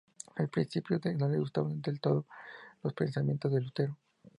Al principio no le gustaban del todo los pensamientos de Lutero.